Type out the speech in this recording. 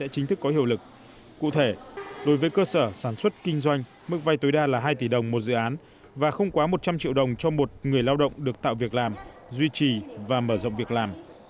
cụ thể đối với cơ sở sản xuất kinh doanh mức vay tối đa là hai tỷ đồng một dự án và không quá một trăm linh triệu đồng cho một người lao động được tạo việc làm duy trì và mở rộng việc làm